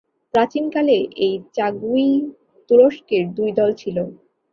প্রাচীনকালে এই চাগওই-তুরস্কের দুই দল ছিল।